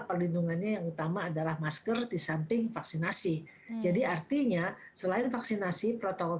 perlindungannya yang utama adalah masker di samping vaksinasi jadi artinya selain vaksinasi protokol